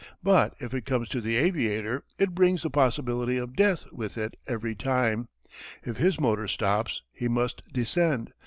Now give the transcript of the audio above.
But if it comes to the aviator it brings the possibility of death with it every time. If his motor stops he must descend.